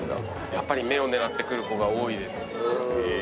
やっぱり目を狙ってくる子が多いです。